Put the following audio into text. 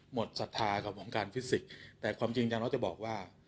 หมดสัทธากับวงการฟิสิกส์แต่ความจริงจังเราจะบอกว่า